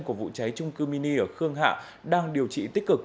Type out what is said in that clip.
của vụ cháy trung cư mini ở khương hạ đang điều trị tích cực